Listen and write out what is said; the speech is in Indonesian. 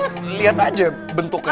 ini liat aja bentuknya